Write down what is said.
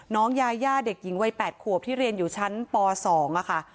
น้องยาย่าเด็กหญิงวัย๘ขวบที่เรียนอยู่ชั้นป๒ค่ะ